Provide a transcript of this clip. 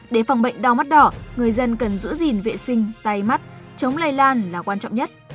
để phòng bệnh đau mắt đỏ người dân cần giữ gìn vệ sinh tay mắt chống lây lan là quan trọng nhất